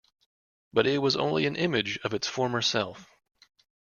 But it was only an image of its former self.